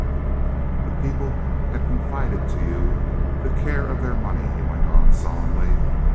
"The people had confided to you the care of their money," he went on, solemnly.